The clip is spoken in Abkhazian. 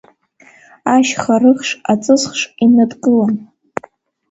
Ашьха рыхш, аҵысхш иныдкылан…